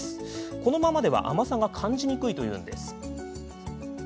このままでは甘さが感じにくいといいます。